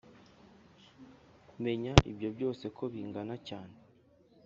Imenya ibyo byose uko bingana cyane